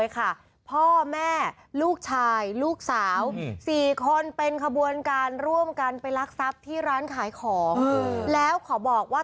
ค่ะครับ